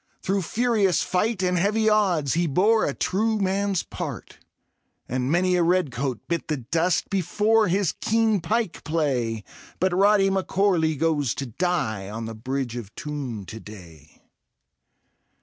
Through furious fightj and heavy oddsi He lx)re a true man's part ; And many a red coat bit the dust Before his keen pike play — But Rody M'Corley goes to die On the Bridge of Toome to day.